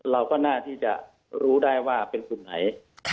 เราก็น่าที่จะรู้ได้ว่าเป็นกลุ่มไหน